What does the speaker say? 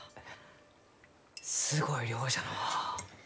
すごい量じゃのう。